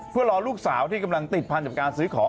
เพื่อรอลูกสาวที่กำลังติดพันกับการซื้อของ